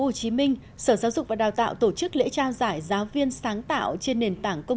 hồ chí minh sở giáo dục và đào tạo tổ chức lễ trao giải giáo viên sáng tạo trên nền tảng công